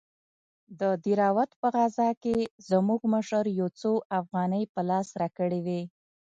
د دهراوت په غزا کښې زموږ مشر يو څو اوغانۍ په لاس راکړې وې.